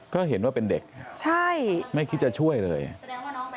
ก็เห็นว่าเป็นเด็กใช่ไม่คิดจะช่วยเลยอ่ะ